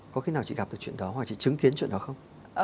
có khi nào chị gặp được chuyện đó hoặc chị chứng kiến chuyện đó không